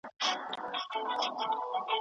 ستاسو کړنې کولی شي د همکارانو احترام جلب کړي.